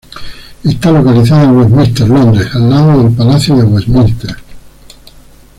Está localizada en Westminster, Londres, al lado del palacio de Westminster.